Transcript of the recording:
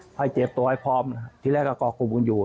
ใช่ครับให้เจ็บตัวตัวให้พร้อมที่แรกกับก้อกรมุมอยู่